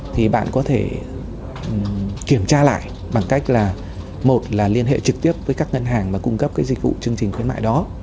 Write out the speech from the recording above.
thì bạn có thể kiểm tra lại bằng cách là một là liên hệ trực tiếp với các ngân hàng mà cung cấp cái dịch vụ chương trình khuyến mại đó